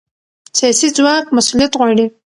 سیاسي ځواک مسؤلیت غواړي